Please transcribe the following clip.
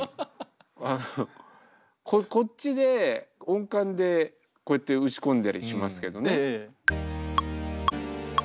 こっちで音感でこうやって打ち込んだりしますけどね。